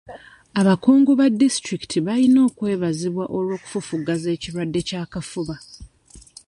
Abakungu ba disitulikiti bayina okwebazibwa olw'okufufugaza ekirwadde ky'akafuba.